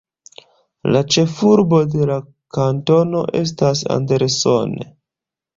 La ĉefurbo de la kantono estas Anderson.